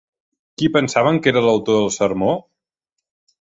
Qui pensaven que era l'autor del sermó?